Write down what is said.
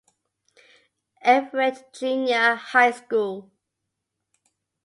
Everitt Junior High School.